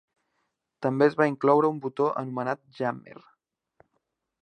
També es va incloure un botó anomenat Jammer.